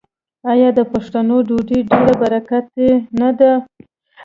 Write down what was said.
آیا د پښتنو ډوډۍ ډیره برکتي نه وي؟